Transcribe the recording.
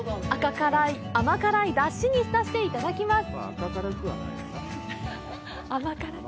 甘辛い出汁に浸していただきます！